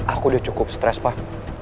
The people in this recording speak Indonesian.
aku udah cukup stres pak